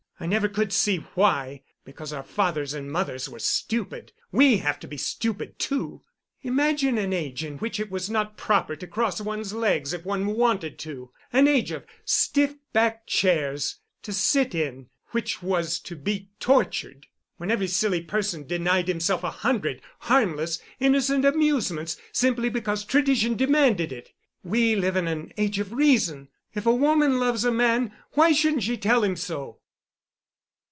I never could see why, because our fathers and mothers were stupid, we have to be stupid, too. Imagine an age in which it was not proper to cross one's legs if one wanted to—an age of stiff backed chairs, to sit in which was to be tortured—when every silly person denied himself a hundred harmless, innocent amusements simply because tradition demanded it! We live in an age of reason. If a woman loves a man, why shouldn't she tell him so?"